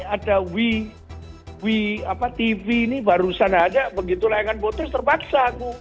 ada wetv ini barusan ada begitu layangan putus terpaksa aku